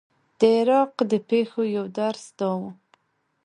د عراق د پېښو یو درس دا و.